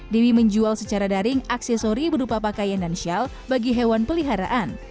dewi menjual secara daring aksesori berupa pakaian dan syal bagi hewan peliharaan